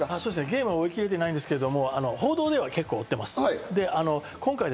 ゲームは追いきれてませんが、報道では追っています。